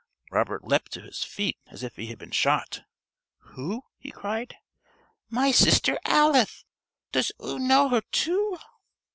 _) Robert leapt to his feet as if he had been shot. "Who?" he cried. "My sister Alith. Does oo know her too?"